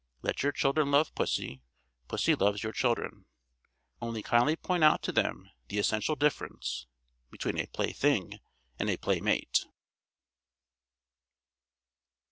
Let your children love pussy, pussy loves your children; only kindly point out to them the essential difference between a play_thing_ and a play_mate_.